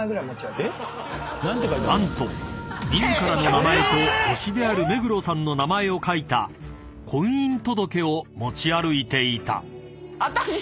［何と自らの名前と推しである目黒さんの名前を書いた婚姻届を持ち歩いていた］